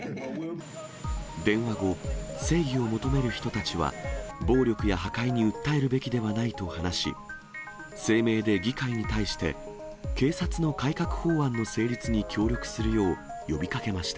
電話後、正義を求める人たちは、暴力や破壊に訴えるべきではないと話し、声明で議会に対して、警察の改革法案の成立に協力するよう呼びかけました。